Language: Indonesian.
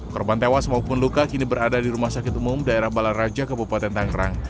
korban tewas maupun luka kini berada di rumah sakit umum daerah balaraja kabupaten tangerang